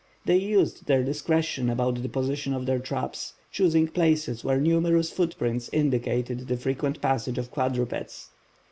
They used their discretion about the position of their traps, choosing places where numerous footprints indicated the frequent passage of quadrupeds.